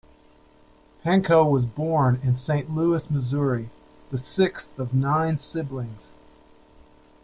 Pankow was born in Saint Louis, Missouri, the sixth of nine siblings.